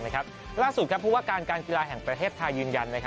ล่าสุดผู้ว่าการการกีฬาแห่งประเทศไทยยืนยัน